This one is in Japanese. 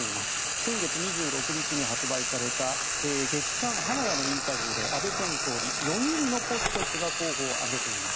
先月２６日に発売された「月刊Ｈａｎａｄａ」のインタビューで安倍前総理は４人のポスト菅候補を挙げています。